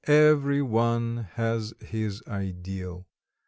Every one has his ideal.